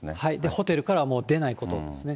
ホテルからは出ないことですね。